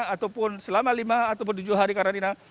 ataupun selama lima ataupun tujuh hari karantina